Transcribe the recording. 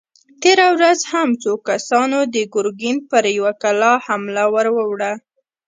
تېره ورځ هم څو کسانو د ګرګين پر يوه کلا حمله ور وړه!